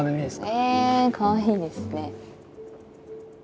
えかわいいですね。